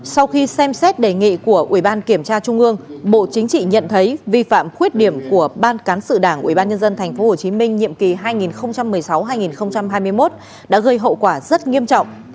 sau khi xem xét đề nghị của ủy ban kiểm tra trung ương bộ chính trị nhận thấy vi phạm khuyết điểm của ban cán sự đảng ubnd tp hcm nhiệm kỳ hai nghìn một mươi sáu hai nghìn hai mươi một đã gây hậu quả rất nghiêm trọng